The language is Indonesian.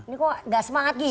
ini kok gak semangat gi